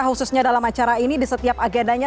khususnya dalam acara ini di setiap agendanya